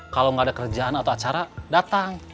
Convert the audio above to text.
kalau nggak ada kerjaan atau acara datang